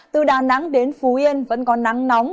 từ đà nẵng đến phú yên vẫn có nắng nóng